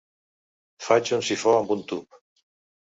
Faig un sifó amb un tub.